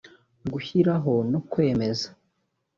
gushyiraho no kwemeza